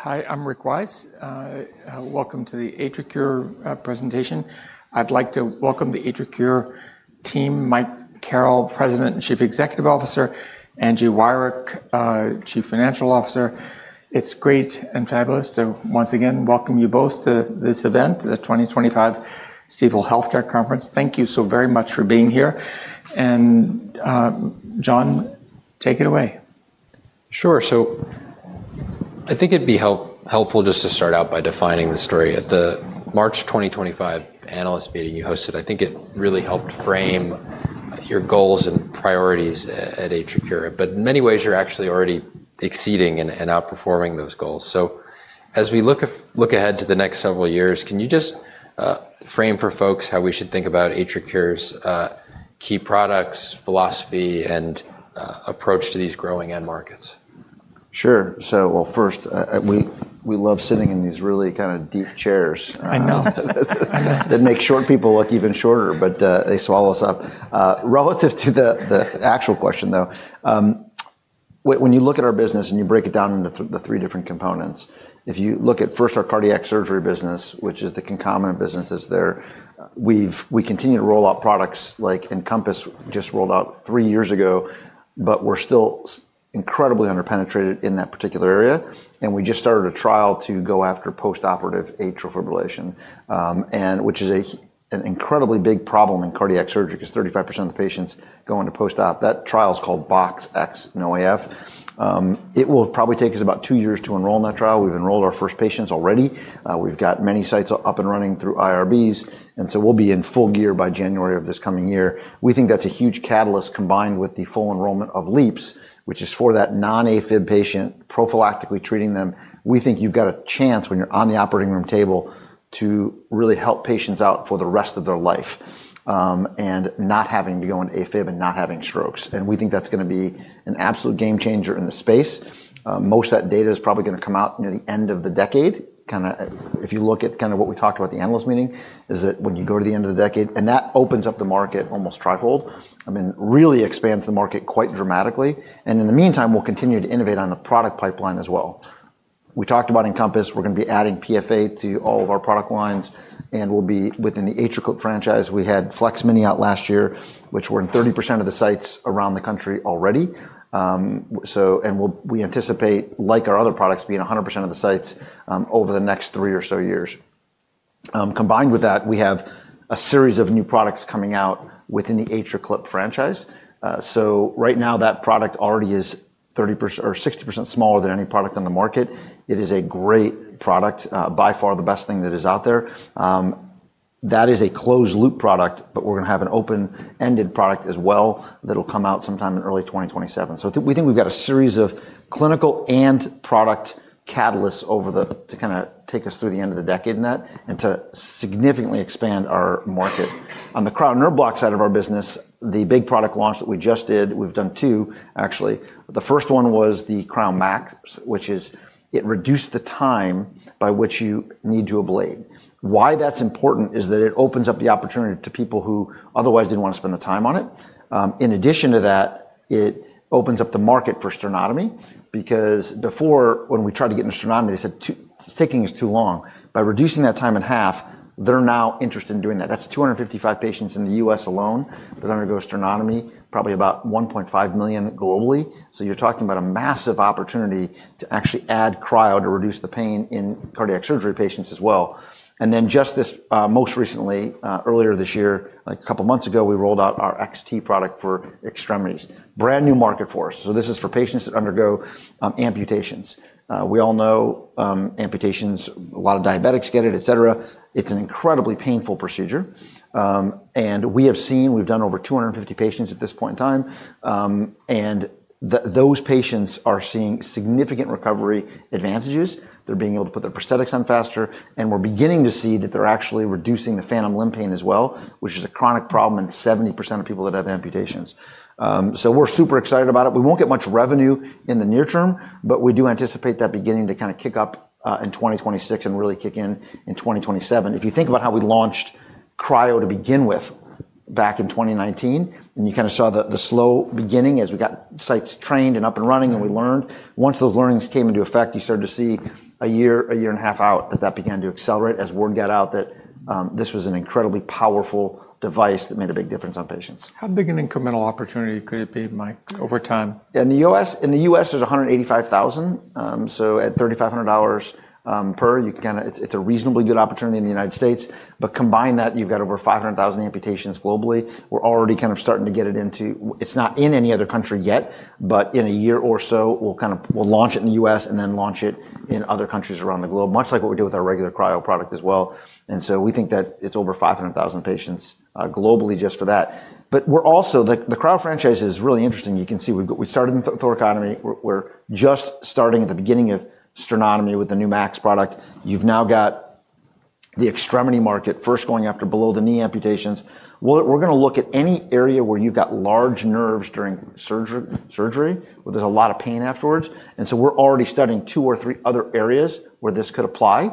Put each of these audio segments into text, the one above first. Hi, I'm Rick Weiss. Welcome to the AtriCure presentation. I'd like to welcome the AtriCure team, Mike Carrel, President and Chief Executive Officer, Angie Wirick, Chief Financial Officer. It's great and fabulous to, once again, welcome you both to this event, the 2025 Stifel Healthcare Conference. Thank you so very much for being here. John, take it away. Sure. I think it'd be helpful just to start out by defining the story. At the March 2025 analyst meeting you hosted, I think it really helped frame your goals and priorities at AtriCure. In many ways, you're actually already exceeding and outperforming those goals. As we look ahead to the next several years, can you just frame for folks how we should think about AtriCure's key products, philosophy, and approach to these growing end markets? Sure. First, we love sitting in these really kind of deep chairs. I know. I know but that make short people look even shorter, but they swallow us up. Relative to the actual question, though, when you look at our business and you break it down into the three different components, if you look at first our cardiac surgery business, which is the concomitant businesses there, we continue to roll out products like Encompass, just rolled out three years ago, but we're still incredibly underpenetrated in that particular area. We just started a trial to go after post-operative atrial fibrillation, which is an incredibly big problem in cardiac surgery because 35% of the patients go into post-op. That trial's called BoxX-NoAF. It will probably take us about two years to enroll in that trial. We've enrolled our first patients already. We've got many sites up and running through IRBs. We'll be in full gear by January of this coming year. We think that's a huge catalyst combined with the full enrollment of LEAPS, which is for that non-AFib patient, prophylactically treating them. We think you've got a chance when you're on the operating room table to really help patients out for the rest of their life, and not having to go into AFib and not having strokes. We think that's going to be an absolute game changer in the space. Most of that data is probably going to come out near the end of the decade. Kind of, if you look at kind of what we talked about at the analyst meeting, is that when you go to the end of the decade, that opens up the market almost trifold, I mean, really expands the market quite dramatically. In the meantime, we'll continue to innovate on the product pipeline as well. We talked about Encompass. We're going to be adding PFA to all of our product lines. We'll be within the AtriClip franchise. We had Flex Mini out last year, which we're in 30% of the sites around the country already. We anticipate, like our other products, being in 100% of the sites over the next three or so years. Combined with that, we have a series of new products coming out within the AtriClip franchise. Right now, that product already is 30% or 60% smaller than any product on the market. It is a great product, by far the best thing that is out there. That is a closed-loop product, but we're going to have an open-ended product as well that'll come out sometime in early 2027. We think we've got a series of clinical and product catalysts over the, to kind of take us through the end of the decade in that and to significantly expand our market. On the cryo nerve block side of our business, the big product launch that we just did, we've done two, actually. The first one was the cryoSPHERE MAX which is, it reduced the time by which you need to ablate. Why that's important is that it opens up the opportunity to people who otherwise didn't want to spend the time on it. In addition to that, it opens up the market for sternotomy because before, when we tried to get into sternotomy, they said sticking is too long. By reducing that time in half, they're now interested in doing that. That's 255,000 patients in the U.S. alone that undergo sternotomy, probably about 1.5 million globally. You're talking about a massive opportunity to actually add cryo to reduce the pain in cardiac surgery patients as well. Just this, most recently, earlier this year, like a couple of months ago, we rolled out our XT product for extremities. Brand new market for us. This is for patients that undergo amputations. We all know amputations, a lot of diabetics get it, et cetera. It's an incredibly painful procedure. We have seen, we've done over 250 patients at this point in time. Those patients are seeing significant recovery advantages. They're being able to put their prosthetics on faster. We're beginning to see that they're actually reducing the phantom limb pain as well, which is a chronic problem in 70% of people that have amputations. We're super excited about it. We won't get much revenue in the near term, but we do anticipate that beginning to kind of kick up in 2026 and really kick in in 2027. If you think about how we launched cryo to begin with back in 2019, and you kind of saw the slow beginning as we got sites trained and up and running and we learned. Once those learnings came into effect, you started to see a year, a year and a half out that that began to accelerate as word got out that this was an incredibly powerful device that made a big difference on patients. How big an incremental opportunity could it be, Mike, over time? Yeah, in the U.S., in the U.S., there's 185,000. So at $3,500 per, you can kind of, it's a reasonably good opportunity in the United States. Combine that, you've got over 500,000 amputations globally. We're already kind of starting to get it into, it's not in any other country yet, but in a year or so, we'll kind of, we'll launch it in the U.S. and then launch it in other countries around the globe, much like what we do with our regular cryo product as well. We think that it's over 500,000 patients globally just for that. We're also, the cryo franchise is really interesting. You can see we've got, we started in thoracotomy. We're just starting at the beginning of sternotomy with the new MAX product. You've now got the extremity market first going after below the knee amputations. We're going to look at any area where you've got large nerves during surgery, where there's a lot of pain afterwards. We're already studying two or three other areas where this could apply.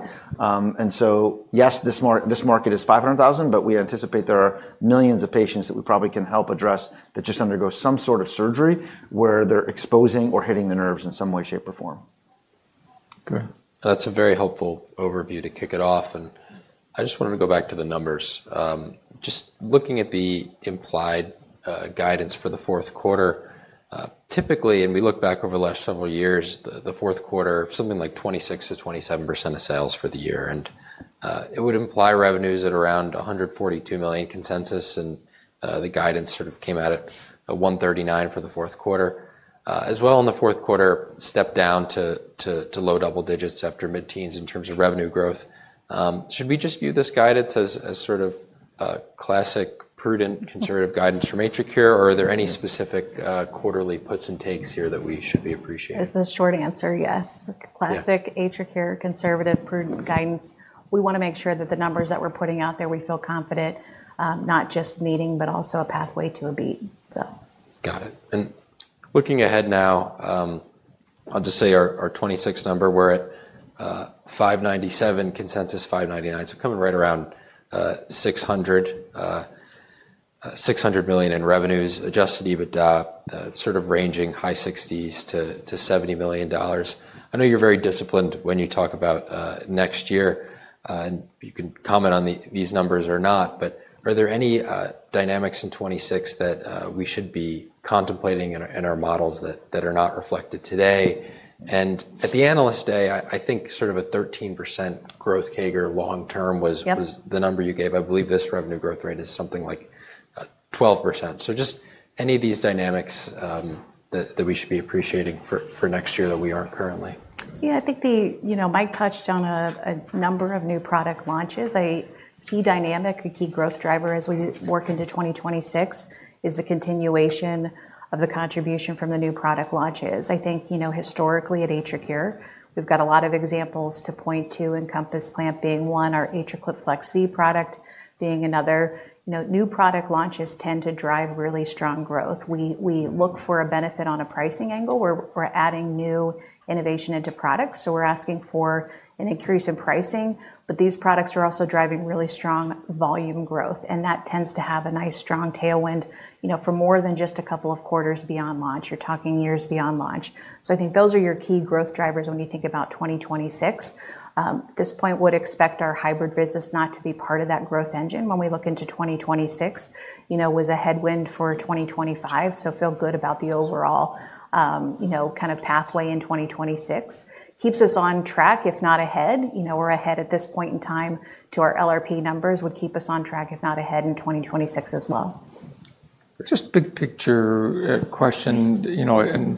Yes, this market is $500,000, but we anticipate there are millions of patients that we probably can help address that just undergo some sort of surgery where they're exposing or hitting the nerves in some way, shape, or form. Good. That's a very helpful overview to kick it off. I just wanted to go back to the numbers. Just looking at the implied guidance for the fourth quarter, typically, and we look back over the last several years, the fourth quarter is something like 26%-27% of sales for the year. It would imply revenues at around $142 million consensus, and the guidance sort of came at $139 million for the fourth quarter. As well, in the fourth quarter, stepped down to low double digits after mid-teens in terms of revenue growth. Should we just view this guidance as sort of a classic, prudent, conservative guidance from AtriCure, or are there any specific quarterly puts and takes here that we should be appreciating? It's a short answer, yes. Classic AtriCure conservative, prudent guidance. We want to make sure that the numbers that we're putting out there, we feel confident, not just meeting, but also a pathway to a beat. Got it. And looking ahead now, I'll just say our 2026 number, we're at $597 million consensus, $599 million. So coming right around $600 million, $600 million in revenues, Adjusted EBITDA sort of ranging high $60 million-$70 million. I know you're very disciplined when you talk about next year, and you can comment on these numbers or not, but are there any dynamics in 2026 that we should be contemplating in our models that are not reflected today? And at the analyst day, I think sort of a 13% growth CAGR long term was the number you gave. I believe this revenue growth rate is something like 12%. So just any of these dynamics that we should be appreciating for next year that we aren't currently. Yeah, I think, you know, Mike touched on a number of new product launches. A key dynamic, a key growth driver as we work into 2026 is the continuation of the contribution from the new product launches. I think, you know, historically at AtriCure, we've got a lot of examples to point to Encompass clamp being one, our AtriClip FLEX-Mini product being another. You know, new product launches tend to drive really strong growth. We look for a benefit on a pricing angle where we're adding new innovation into products. So we're asking for an increase in pricing, but these products are also driving really strong volume growth. That tends to have a nice strong tailwind, you know, for more than just a couple of quarters beyond launch. You're talking years beyond launch. I think those are your key growth drivers when you think about 2026. At this point, we would expect our hybrid business not to be part of that growth engine when we look into 2026, you know, was a headwind for 2025. I feel good about the overall, you know, kind of pathway in 2026. Keeps us on track, if not ahead. You know, we're ahead at this point in time to our LRP numbers would keep us on track, if not ahead in 2026 as well. Just big picture question, you know, and,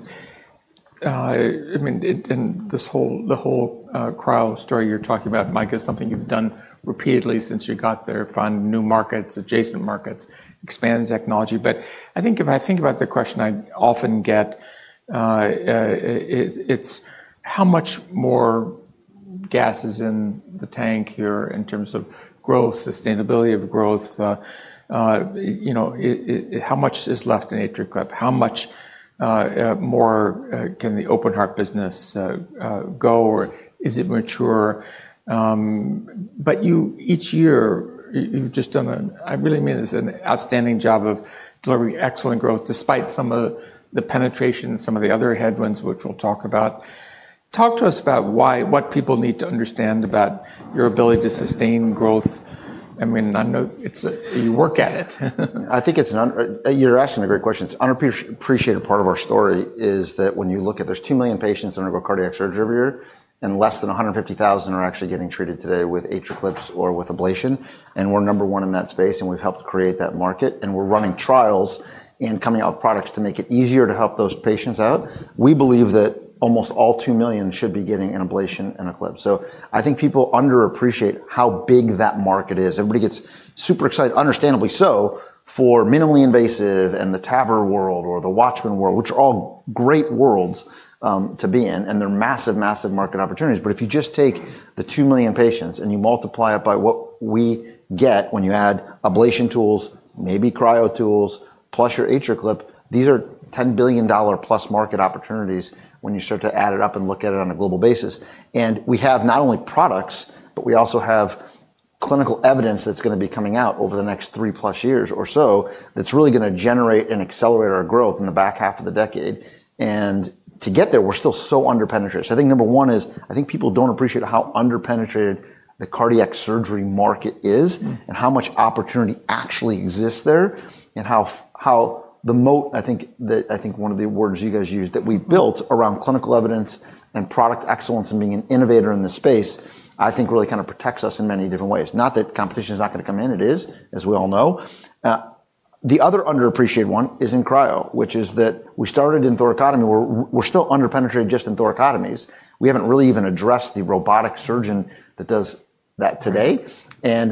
I mean, and this whole, the whole, cryo story you're talking about, Mike, is something you've done repeatedly since you got there on new markets, adjacent markets, expanding technology. I think if I think about the question I often get, it, it's how much more gas is in the tank here in terms of growth, sustainability of growth, you know, it, it, it how much is left in AtriClip? How much, more, can the open heart business, go or is it mature? You, each year, you've just done an, I really mean it's an outstanding job of delivering excellent growth despite some of the penetration, some of the other headwinds, which we'll talk about. Talk to us about why, what people need to understand about your ability to sustain growth. I mean, I know it's a, you work at it. I think it's an, you're asking a great question. It's an unappreciated part of our story is that when you look at, there's 2 million patients undergo cardiac surgery every year, and less than 150,000 are actually getting treated today with AtriClip or with ablation. We're number one in that space, and we've helped create that market. We're running trials and coming out with products to make it easier to help those patients out. We believe that almost all 2 million should be getting an ablation and a clip. I think people underappreciate how big that market is. Everybody gets super excited, understandably so, for minimally invasive and the TAVR world or the Watchman world, which are all great worlds to be in, and they're massive, massive market opportunities. If you just take the 2 million patients and you multiply it by what we get when you add ablation tools, maybe cryo tools, plus your AtriClip, these are $10 billion+ market opportunities when you start to add it up and look at it on a global basis. We have not only products, but we also have clinical evidence that's going to be coming out over the next three-plus years or so that's really going to generate and accelerate our growth in the back half of the decade. To get there, we're still so underpenetrated. I think number one is, I think people do not appreciate how underpenetrated the cardiac surgery market is and how much opportunity actually exists there and how the moat, I think that I think one of the words you guys used that we have built around clinical evidence and product excellence and being an innovator in this space, I think really kind of protects us in many different ways. Not that competition is not going to come in. It is, as we all know. The other underappreciated one is in cryo, which is that we started in thoracotomy. We are still underpenetrated just in thoracotomies. We have not really even addressed the robotic surgeon that does that today.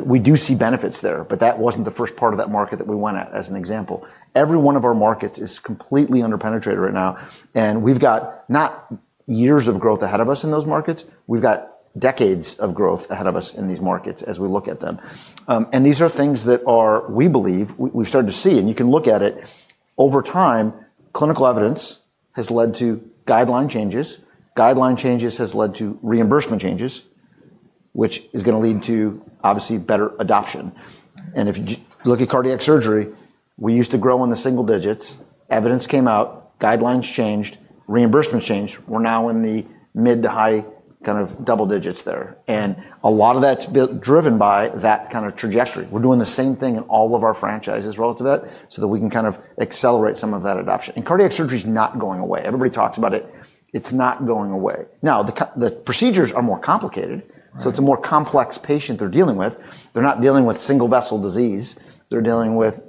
We do see benefits there, but that was not the first part of that market that we went at as an example. Every one of our markets is completely underpenetrated right now. We have not years of growth ahead of us in those markets. We have decades of growth ahead of us in these markets as we look at them. These are things that are, we believe, we have started to see, and you can look at it over time. Clinical evidence has led to guideline changes. Guideline changes have led to reimbursement changes, which is going to lead to obviously better adoption. If you look at cardiac surgery, we used to grow in the single digits. Evidence came out, guidelines changed, reimbursements changed. We are now in the mid to high double digits there. A lot of that is driven by that kind of trajectory. We are doing the same thing in all of our franchises relative to that so that we can accelerate some of that adoption. Cardiac surgery is not going away. Everybody talks about it. It's not going away. Now, the procedures are more complicated. It is a more complex patient they're dealing with. They're not dealing with single vessel disease. They're dealing with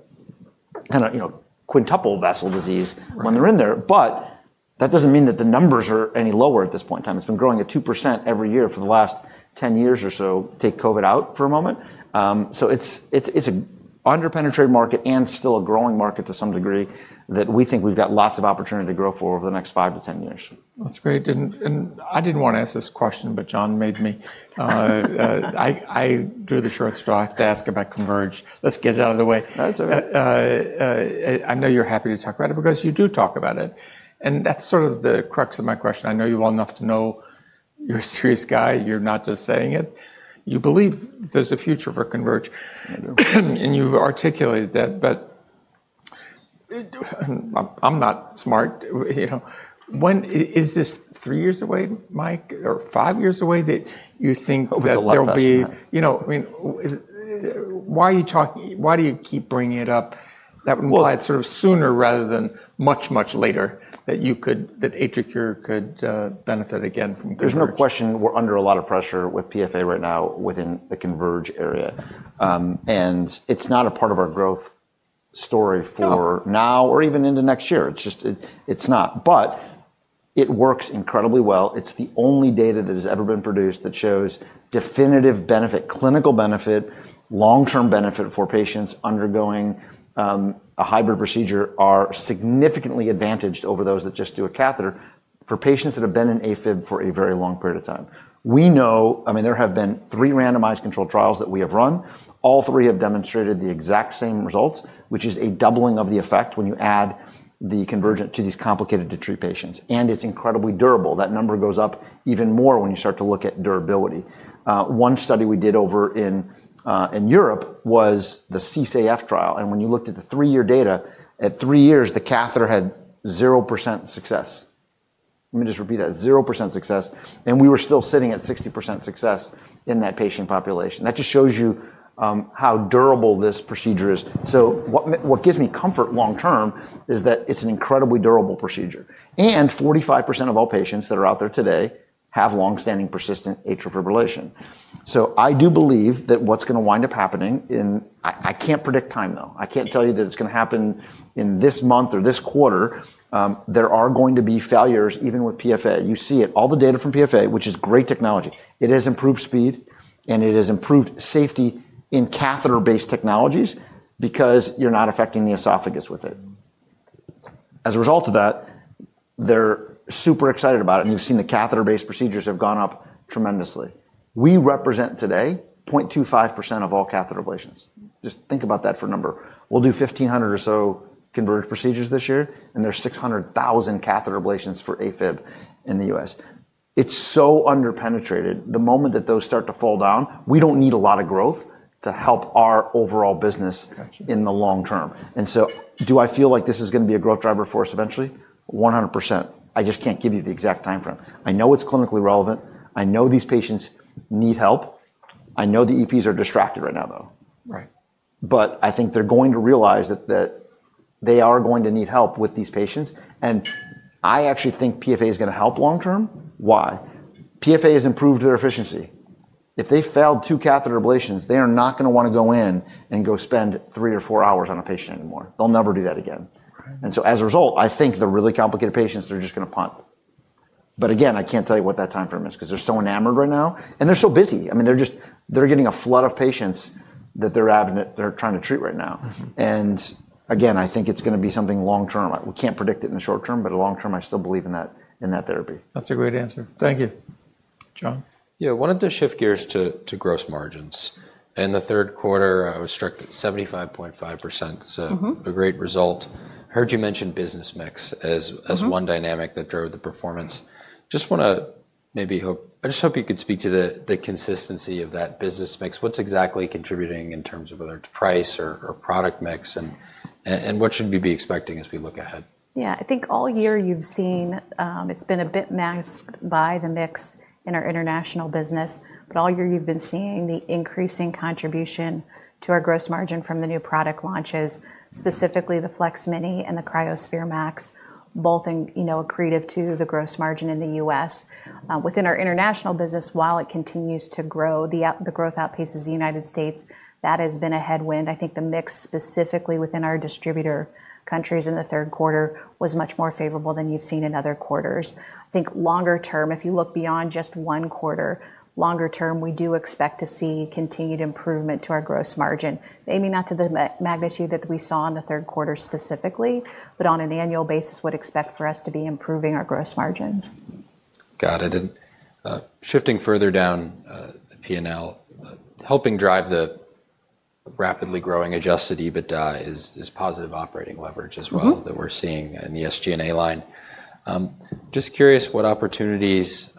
kind of, you know, quintuple vessel disease when they're in there. That does not mean that the numbers are any lower at this point in time. It's been growing at 2% every year for the last 10 years or so. Take COVID out for a moment. It's an underpenetrated market and still a growing market to some degree that we think we've got lots of opportunity to grow for over the next 5-10 years. That's great. I didn't want to ask this question, but John made me. I drew the short straw to ask about Converge. Let's get it out of the way. I know you're happy to talk about it because you do talk about it. That's sort of the crux of my question. I know you well enough to know you're a serious guy. You're not just saying it. You believe there's a future for Converge, and you articulated that, but I'm not smart, you know. When is this three years away, Mike, or five years away that you think there'll be, you know, I mean, why are you talking? Why do you keep bringing it up that we'll add sort of sooner rather than much, much later that you could, that AtriCure could, benefit again from? There's no question we're under a lot of pressure with PFA right now within the Convergent area. It's not a part of our growth story for now or even into next year. It's just, it's not, but it works incredibly well. It's the only data that has ever been produced that shows definitive benefit, clinical benefit, long-term benefit for patients undergoing a hybrid procedure are significantly advantaged over those that just do a catheter for patients that have been in AFib for a very long period of time. We know, I mean, there have been three randomized controlled trials that we have run. All three have demonstrated the exact same results, which is a doubling of the effect when you add the Convergent to these complicated to treat patients. It's incredibly durable. That number goes up even more when you start to look at durability. One study we did over in Europe was the CCAF trial. And when you looked at the three-year data, at three years, the catheter had 0% success. Let me just repeat that. 0% success. And we were still sitting at 60% success in that patient population. That just shows you how durable this procedure is. What gives me comfort long-term is that it's an incredibly durable procedure. And 45% of all patients that are out there today have longstanding persistent atrial fibrillation. I do believe that what's going to wind up happening in, I can't predict time though. I can't tell you that it's going to happen in this month or this quarter. There are going to be failures even with PFA. You see it, all the data from PFA, which is great technology. It has improved speed and it has improved safety in catheter-based technologies because you're not affecting the esophagus with it. As a result of that, they're super excited about it. You've seen the catheter-based procedures have gone up tremendously. We represent today 0.25% of all catheter ablations. Just think about that for a number. We'll do 1,500 or so converged procedures this year, and there's 600,000 catheter ablations for AFib in the U.S. It's so underpenetrated. The moment that those start to fall down, we don't need a lot of growth to help our overall business in the long term. Do I feel like this is going to be a growth driver for us eventually? 100%. I just can't give you the exact timeframe. I know it's clinically relevant. I know these patients need help. I know the EPs are distracted right now though. Right. I think they're going to realize that they are going to need help with these patients. I actually think PFA is going to help long term. Why? PFA has improved their efficiency. If they failed two catheter ablations, they are not going to want to go in and spend three or four hours on a patient anymore. They'll never do that again. As a result, I think the really complicated patients, they're just going to punt. Again, I can't tell you what that timeframe is because they're so enamored right now. They're so busy. I mean, they're just getting a flood of patients that they're having, they're trying to treat right now. Again, I think it's going to be something long term. We can't predict it in the short term, but long term, I still believe in that, in that therapy. That's a great answer. Thank you, John. Yeah, I wanted to shift gears to gross margins. In the third quarter, I was struck at 75.5%. A great result. Heard you mention business mix as one dynamic that drove the performance. Just want to maybe hope, I just hope you could speak to the consistency of that business mix. What's exactly contributing in terms of whether it's price or product mix and what should we be expecting as we look ahead? Yeah, I think all year you've seen, it's been a bit masked by the mix in our international business, but all year you've been seeing the increasing contribution to our gross margin from the new product launches, specifically the Flex Mini and the cryoSPHERE MAX both in, you know, accretive to the gross margin in the U.S. Within our international business, while it continues to grow, the growth outpaces the United States. That has been a headwind. I think the mix specifically within our distributor countries in the third quarter was much more favorable than you've seen in other quarters. I think longer term, if you look beyond just one quarter, longer term, we do expect to see continued improvement to our gross margin. Maybe not to the magnitude that we saw in the third quarter specifically, but on an annual basis, would expect for us to be improving our gross margins. Got it. Shifting further down, P&L, helping drive the rapidly growing Adjusted EBITDA is positive operating leverage as well that we're seeing in the SG&A line. Just curious what opportunities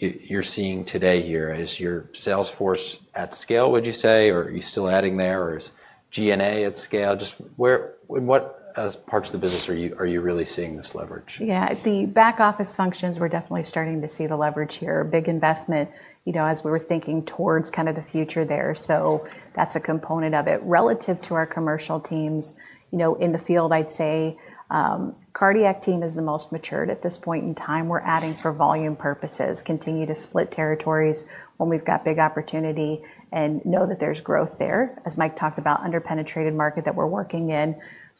you're seeing today here. Is your sales force at scale, would you say, or are you still adding there or is G&A at scale? Just where, in what parts of the business are you, are you really seeing this leverage? Yeah, the back office functions, we're definitely starting to see the leverage here. Big investment, you know, as we were thinking towards kind of the future there. That's a component of it relative to our commercial teams. You know, in the field, I'd say, cardiac team is the most matured at this point in time. We're adding for volume purposes, continue to split territories when we've got big opportunity and know that there's growth there, as Mike talked about, underpenetrated market that we're working in.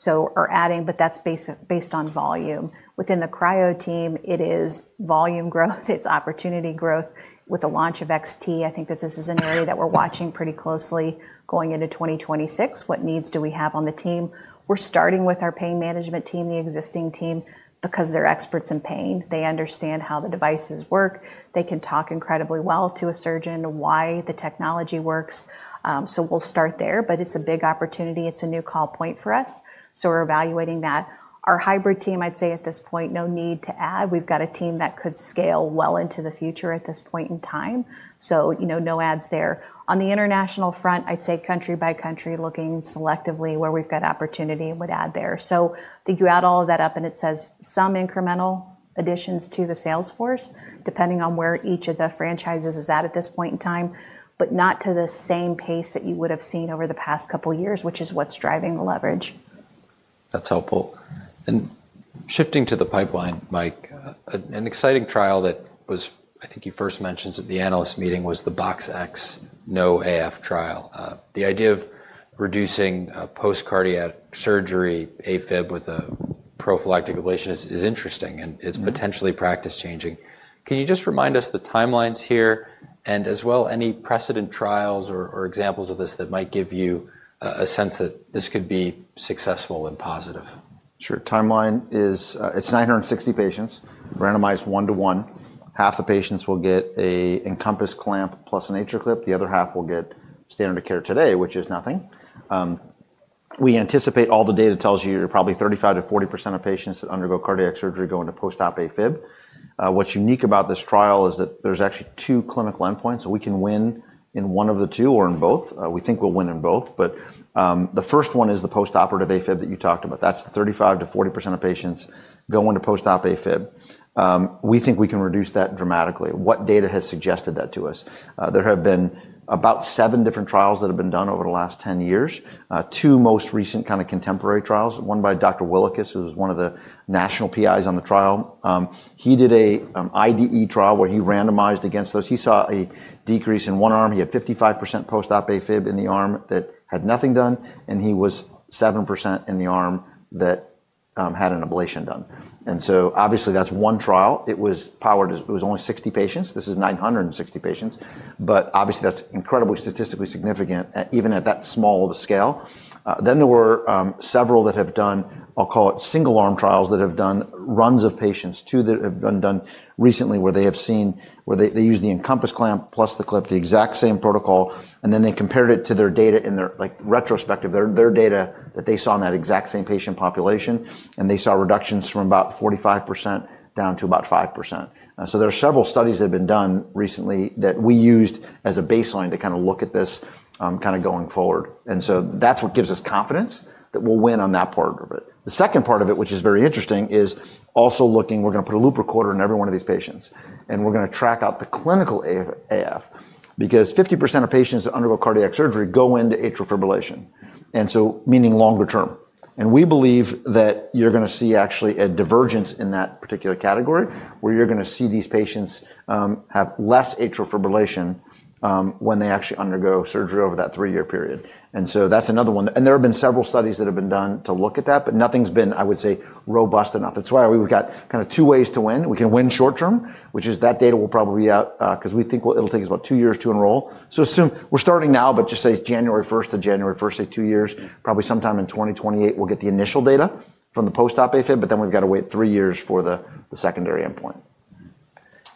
We're adding, but that's based on volume. Within the cryo team, it is volume growth. It's opportunity growth with the launch of XT. I think that this is an area that we're watching pretty closely going into 2026. What needs do we have on the team? We're starting with our pain management team, the existing team, because they're experts in pain. They understand how the devices work. They can talk incredibly well to a surgeon why the technology works. We'll start there, but it's a big opportunity. It's a new call point for us. We're evaluating that. Our hybrid team, I'd say at this point, no need to add. We've got a team that could scale well into the future at this point in time. You know, no adds there. On the international front, I'd say country by country, looking selectively where we've got opportunity and would add there. I think you add all of that up and it says some incremental additions to the sales force depending on where each of the franchises is at at this point in time, but not to the same pace that you would have seen over the past couple of years, which is what's driving the leverage. That's helpful. Shifting to the pipeline, Mike, an exciting trial that was, I think you first mentioned at the analyst meeting was the BoxX-NoAF trial. The idea of reducing post-cardiac surgery AFib with a prophylactic ablation is interesting and is potentially practice changing. Can you just remind us the timelines here and as well any precedent trials or examples of this that might give you a sense that this could be successful and positive? Sure. Timeline is, it's 960 patients randomized one to one. Half the patients will get an Encompass clamp plus an AtriClip. The other half will get standard of care today, which is nothing. We anticipate all the data tells you probably 35%-40% of patients that undergo cardiac surgery go into post-op AFib. What's unique about this trial is that there's actually two clinical endpoints. So we can win in one of the two or in both. We think we'll win in both, but, the first one is the post-op AFib that you talked about. That's the 35%-40% of patients go into post-op AFib. We think we can reduce that dramatically. What data has suggested that to us? There have been about seven different trials that have been done over the last 10 years. Two most recent kind of contemporary trials, one by Dr. Wilick, who's one of the national PIs on the trial. He did a IDE trial where he randomized against those. He saw a decrease in one arm. He had 55% post-op AFib in the arm that had nothing done, and he was 7% in the arm that had an ablation done. Obviously that's one trial. It was powered, it was only 60 patients. This is 960 patients, but obviously that's incredibly statistically significant even at that small of a scale. There were several that have done, I'll call it single arm trials that have done runs of patients too that have been done recently where they have seen where they use the Encompass clamp plus the clip, the exact same protocol, and then they compared it to their data in their retrospective, their data that they saw in that exact same patient population, and they saw reductions from about 45% down to about 5%. There are several studies that have been done recently that we used as a baseline to kind of look at this, kind of going forward. That is what gives us confidence that we'll win on that part of it. The second part of it, which is very interesting, is also looking, we're going to put a loop recorder in every one of these patients, and we're going to track out the clinical AF because 50% of patients that undergo cardiac surgery go into atrial fibrillation. Meaning longer term. We believe that you're going to see actually a divergence in that particular category where you're going to see these patients have less atrial fibrillation when they actually undergo surgery over that three-year period. That's another one. There have been several studies that have been done to look at that, but nothing's been, I would say, robust enough. That's why we've got kind of two ways to win. We can win short term, which is that data will probably be out, because we think it'll take about two years to enroll. Assume we're starting now, but just say January 1st-January 1st, say two years, probably sometime in 2028, we'll get the initial data from the post-op AFib, but then we've got to wait three years for the secondary endpoint.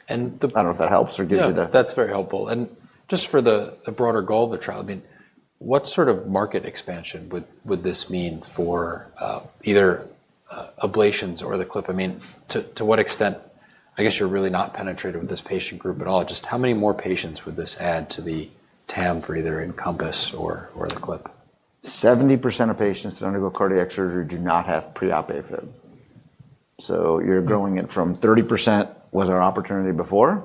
And the. I don't know if that helps or gives you the. No, that's very helpful. Just for the broader goal of the trial, I mean, what sort of market expansion would this mean for either ablations or the clip? I mean, to what extent, I guess you're really not penetrated with this patient group at all. Just how many more patients would this add to the TAM for either Encompass or the clip? 70% of patients that undergo cardiac surgery do not have pre-op AFib. You're going it from 30% was our opportunity before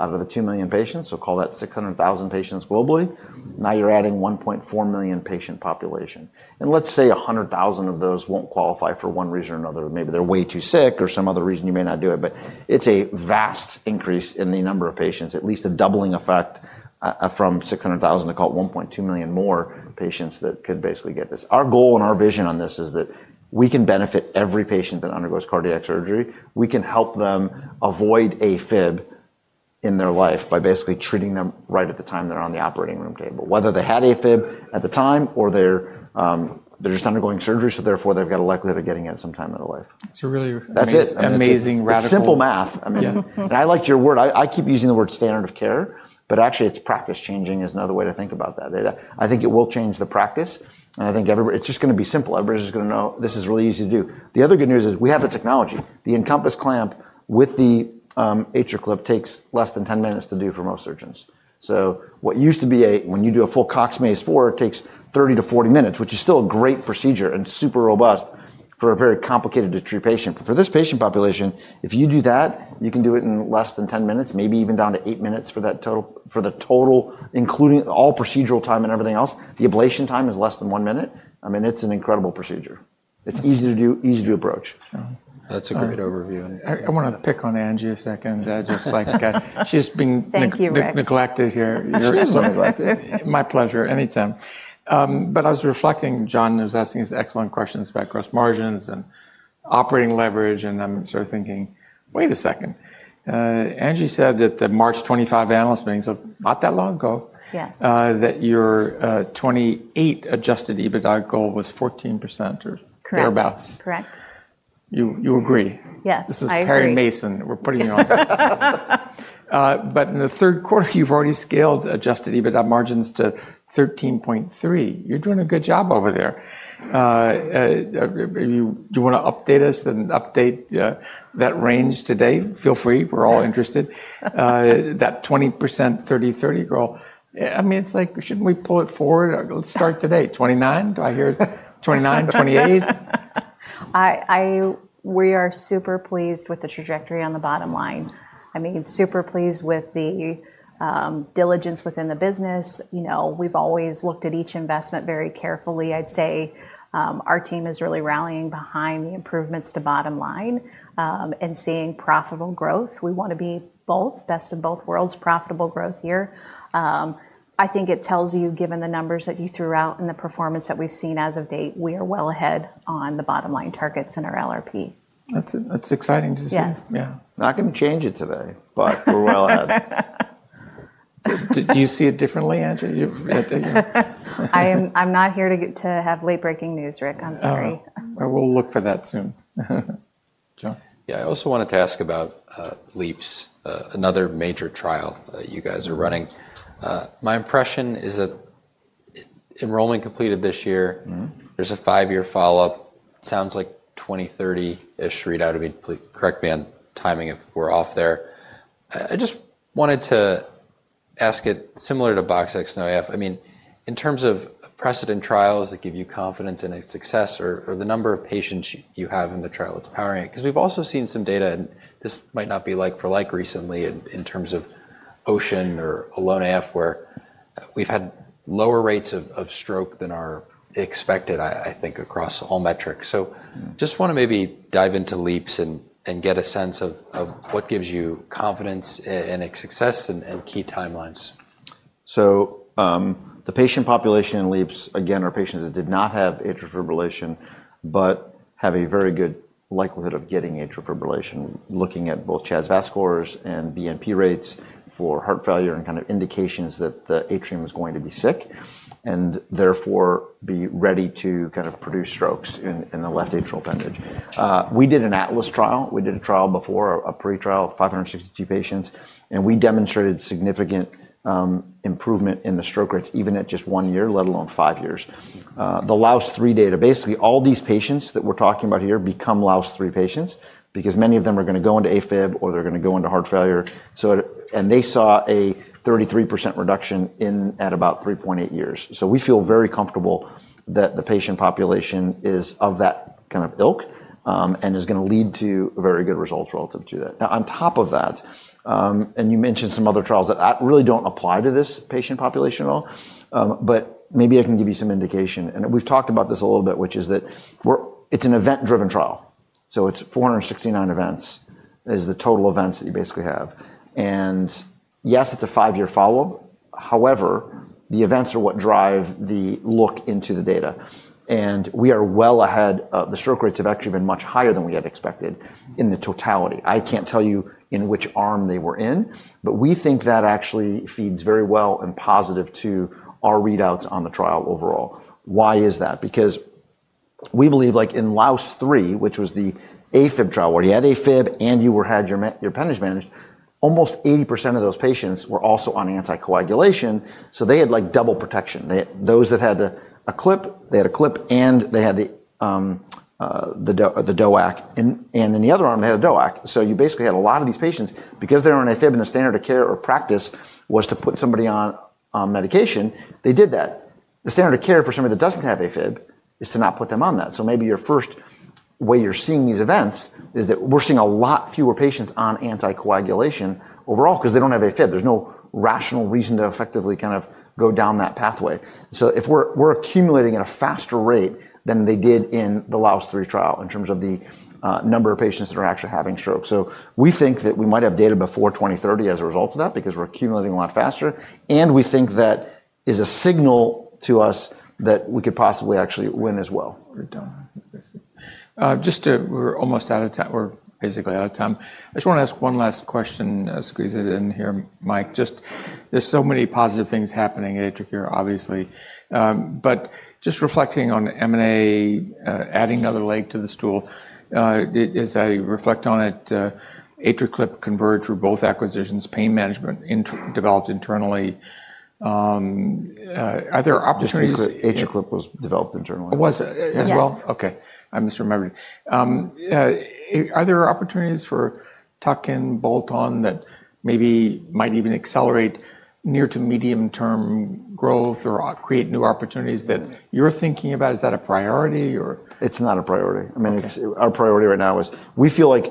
out of the 2 million patients. Call that 600,000 patients globally. Now you're adding 1.4 million patient population. Let's say 100,000 of those won't qualify for one reason or another. Maybe they're way too sick or some other reason you may not do it, but it's a vast increase in the number of patients, at least a doubling effect, from 600,000 to call it 1.2 million more patients that could basically get this. Our goal and our vision on this is that we can benefit every patient that undergoes cardiac surgery. We can help them avoid AFib in their life by basically treating them right at the time they're on the operating room table, whether they had AFib at the time or they're just undergoing surgery. Therefore, they've got a likelihood of getting it sometime in their life. It's a really. That's it. Amazing radical. Simple math. I mean, and I liked your word. I keep using the word standard of care, but actually it's practice changing is another way to think about that. I think it will change the practice. I think everybody, it's just going to be simple. Everybody's just going to know this is really easy to do. The other good news is we have the technology. The Encompass clamp with the AtriClip takes less than 10 minutes to do for most surgeons. What used to be, when you do a full Cox Maze 4, it takes 30-40 minutes, which is still a great procedure and super robust for a very complicated to treat patient. For this patient population, if you do that, you can do it in less than 10 minutes, maybe even down to eight minutes for that total, for the total, including all procedural time and everything else. The ablation time is less than one minute. I mean, it's an incredible procedure. It's easy to do, easy to approach. That's a great overview. I want to pick on Angie a second. I just, like, she's been neglected here. That's really nice. My pleasure. Anytime. I was reflecting, John was asking these excellent questions about gross margins and operating leverage, and I'm sort of thinking, wait a second. Angie said at the March 25 analyst meetings, not that long ago, that your 2028 Adjusted EBITDA goal was 14% or thereabouts. Correct. You agree? Yes. This is Perry Mason. We're putting you on. In the third quarter, you've already scaled Adjusted EBITDA margins to 13.3%. You're doing a good job over there. Do you want to update us and update that range today? Feel free. We're all interested. That 20%, 30%, 30% girl. I mean, it's like, shouldn't we pull it forward? Let's start today. 39%? Do I hear 29%, 28%? We are super pleased with the trajectory on the bottom line. I mean, super pleased with the diligence within the business. You know, we've always looked at each investment very carefully. I'd say our team is really rallying behind the improvements to bottom line, and seeing profitable growth. We want to be best in both worlds, profitable growth here. I think it tells you, given the numbers that you threw out and the performance that we've seen as of date, we are well ahead on the bottom line targets in our LRP. That's exciting to see. Yes. Yeah. Not going to change it today, but we're well ahead. Do you see it differently, Angie? I'm not here to have late breaking news, Rick. I'm sorry. We'll look for that soon. John. Yeah. I also wanted to ask about LEAPS, another major trial you guys are running. My impression is that enrollment completed this year. There's a five-year follow-up. Sounds like 2030-ish readout would be complete. Correct me on timing if we're off there. I just wanted to ask it similar to BoxX-NoAF. I mean, in terms of precedent trials that give you confidence in a success or the number of patients you have in the trial, it's powering it. Because we've also seen some data, and this might not be like for like recently in terms of OSHAN or ALONE-AF, where we've had lower rates of stroke than are expected, I think, across all metrics. Just want to maybe dive into LEAPS and get a sense of what gives you confidence in a success and key timelines. The patient population in LEAPS, again, are patients that did not have atrial fibrillation, but have a very good likelihood of getting atrial fibrillation, looking at both CHA2DS2-VASc scores and BNP rates for heart failure and kind of indications that the atrium is going to be sick and therefore be ready to kind of produce strokes in the left atrial appendage. We did an Atlas trial. We did a trial before, a pre-trial of 562 patients, and we demonstrated significant improvement in the stroke rates, even at just one year, let alone five years. The LAAOS III database, all these patients that we're talking about here become LAAOS III patients because many of them are going to go into AFib or they're going to go into heart failure. They saw a 33% reduction in at about 3.8 years. We feel very comfortable that the patient population is of that kind of ilk, and is going to lead to very good results relative to that. Now, on top of that, you mentioned some other trials that really do not apply to this patient population at all, but maybe I can give you some indication. We have talked about this a little bit, which is that it is an event-driven trial. It is 469 events is the total events that you basically have. Yes, it is a five-year follow-up. However, the events are what drive the look into the data. We are well ahead. The stroke rates have actually been much higher than we had expected in the totality. I cannot tell you in which arm they were in, but we think that actually feeds very well and positive to our readouts on the trial overall. Why is that? Because we believe, like in LAAOS III, which was the AFib trial, where you had AFib and you had your appendage managed, almost 80% of those patients were also on anticoagulation. They had like double protection. Those that had a clip, they had a clip and they had the DOAC, and in the other arm, they had a DOAC. You basically had a lot of these patients because they are on AFib and the standard of care or practice was to put somebody on medication. They did that. The standard of care for somebody that does not have AFib is to not put them on that. Maybe your first way you are seeing these events is that we are seeing a lot fewer patients on anticoagulation overall because they do not have AFib. There is no rational reason to effectively kind of go down that pathway. If we're accumulating at a faster rate than they did in the LAAOS III trial in terms of the number of patients that are actually having stroke, we think that we might have data before 2030 as a result of that because we're accumulating a lot faster. We think that is a signal to us that we could possibly actually win as well. We're almost out of time. We're basically out of time. I just want to ask one last question, squeeze it in here, Mike. Just, there's so many positive things happening at AtriCure, obviously. But just reflecting on M&A, adding another leg to the stool, as I reflect on it, AtriClip, Convergent, both acquisitions, pain management developed internally. Are there opportunities? AtriClip was developed internally. It was as well? Okay. I misremembered. Are there opportunities for tuck-in bolt-on that maybe might even accelerate near to medium-term growth or create new opportunities that you're thinking about? Is that a priority or? It's not a priority. I mean, our priority right now is we feel like,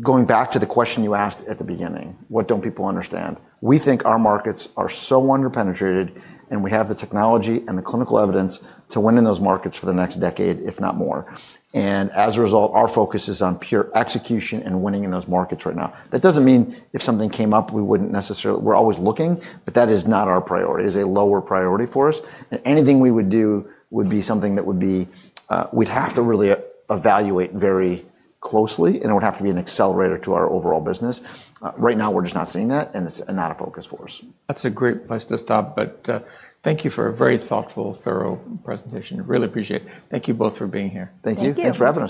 going back to the question you asked at the beginning, what don't people understand? We think our markets are so underpenetrated and we have the technology and the clinical evidence to win in those markets for the next decade, if not more. As a result, our focus is on pure execution and winning in those markets right now. That doesn't mean if something came up, we wouldn't necessarily, we're always looking, but that is not our priority. It is a lower priority for us. Anything we would do would be something that we would have to really evaluate very closely and it would have to be an accelerator to our overall business. Right now we're just not seeing that and it's not a focus for us. That's a great place to stop, but thank you for a very thoughtful, thorough presentation. Really appreciate it. Thank you both for being here. Thank you. Thanks for having us.